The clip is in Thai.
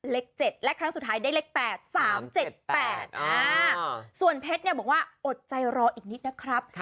เลข๗และครั้งสุดท้ายได้เลข๘๓๗๘ส่วนเพชรเนี่ยบอกว่าอดใจรออีกนิดนะครับ